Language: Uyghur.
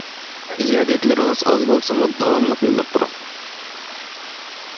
ئىجادىيەتلىرىڭىز ئاز بولسىمۇ داۋاملىق يوللاپ تۇرۇڭ.